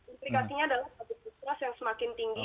implikasinya adalah public distrust yang semakin tinggi